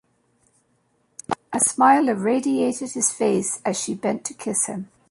A smile irradiated his face as she bent to kiss him.